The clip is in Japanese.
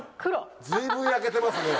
随分焼けてますね。